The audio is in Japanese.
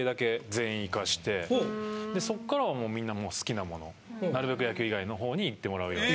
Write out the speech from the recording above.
全員行かしてそっからはもうみんな好きなもの。の方に行ってもらうように。